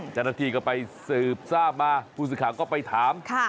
จากนั้นทีก็ไปสืบทราบมาภูศิษฐานก็ไปถาม